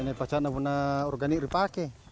ini pacarnya punya organik dipakai